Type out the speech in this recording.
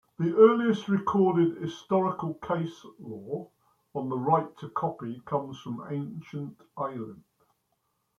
The earliest recorded historical case-law on the right to copy comes from ancient Ireland.